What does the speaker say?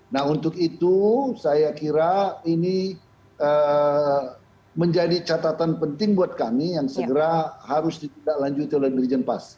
nah untuk itu saya kira ini menjadi catatan penting buat kami yang segera harus ditindaklanjuti oleh dirjen pas